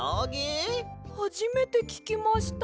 はじめてききました。